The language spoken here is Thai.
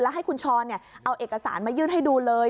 ให้คุณช้อนเอาเอกสารมายื่นให้ดูเลย